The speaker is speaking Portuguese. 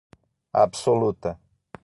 absoluta